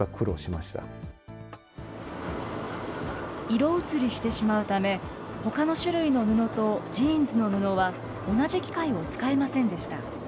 色移りしてしまうため、ほかの種類の布とジーンズの布は同じ機械を使えませんでした。